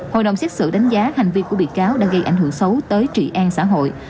hội đồng xét xử đánh giá hành vi của bị cáo đã gây ảnh hưởng xấu tới trị an xã hội